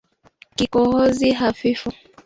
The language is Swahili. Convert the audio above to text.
Kikohozi hafifu